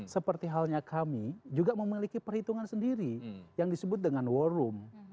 seperti halnya kami juga memiliki perhitungan sendiri yang disebut dengan war room